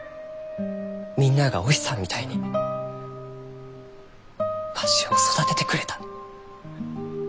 みんなあがお日さんみたいにわしを育ててくれた。